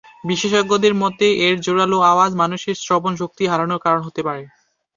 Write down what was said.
বিশেষজ্ঞদের মতে এর জোরালো আওয়াজ মানুষের শ্রবণ শক্তি হারানোর কারণ হতে পারে।